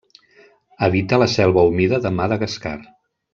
Habita la selva humida de Madagascar.